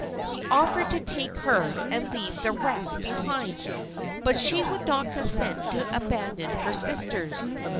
He offered to take her and leave the rest behind, but she would not consent to abandon her sisters.